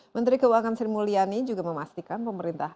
menteri keuangan sri mulyani juga memastikan pemerintah